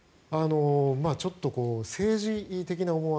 ちょっと政治的な思惑。